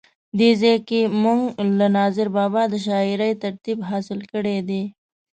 دغه ځای کې مونږ له ناظر بابا د شاعرۍ تربیت حاصل کړی دی.